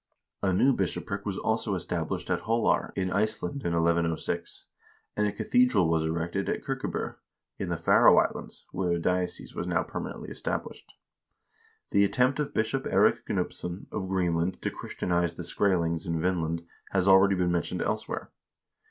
A new bishopric was also established at Holar in Iceland in 1106,2 and a cathedral was erected at Kirkeb0 in the Faroe Islands, where a diocese was now permanently established. The attempt of Bishop Eirik Gnupsson of Greenland to Christianize the Skrselings in Vinland has already been mentioned elsewhere.